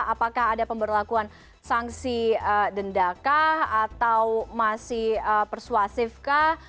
apakah ada pemberlakuan sanksi dendakah atau masih persuasifkah